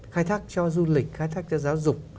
khai thác cho du lịch khai thác cho giáo dục